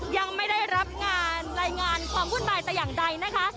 ยังไม่ได้รับงานรายงานความวุ่นวายแต่อย่างใดนะคะ